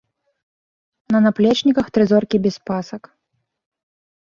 На наплечніках тры зоркі без пасак.